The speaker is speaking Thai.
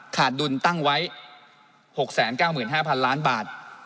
ขาดดุลตั้งไว้๖๙๕๐๐ล้านบาท